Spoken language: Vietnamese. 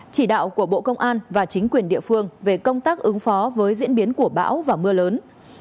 chỉ đạo của bộ công an và chính quyền địa phương về công tác ứng phó với diễn biến của bão và mưa lớn